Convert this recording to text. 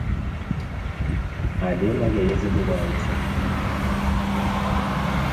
Але на яе забываюцца.